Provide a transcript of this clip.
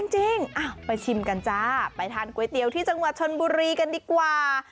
จริงไปชิมกันจ้าไปทานก๋วยเตี๋ยวที่จังหวัดชนบุรีกันดีกว่า